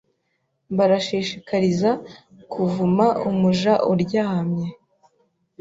barashikiriza Kuvuma umuja uryamye